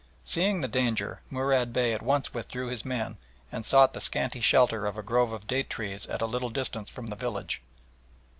Seeing the danger, Murad Bey at once withdrew his men, and sought the scanty shelter of a grove of date trees at a little distance from the village.